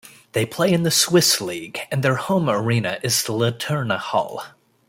They play in the Swiss League and their home arena is the Litterna Hall.